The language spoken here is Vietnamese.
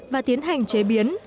và tiến hành chế biến